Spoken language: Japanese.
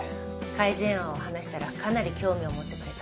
改善案を話したらかなり興味を持ってくれた。